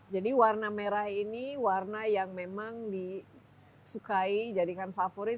jadi warna merah ini warna yang memang disukai jadikan favorit